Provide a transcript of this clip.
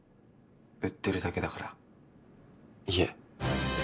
売ってるだけだから家。